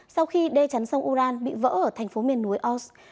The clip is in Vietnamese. sau khi đê chắn sông uran bị vỡ ở thành phố miền núi os